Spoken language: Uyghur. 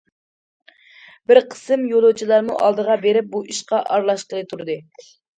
بىر قىسىم يولۇچىلارمۇ ئالدىغا بېرىپ بۇ ئىشقا ئارىلاشقىلى تۇردى.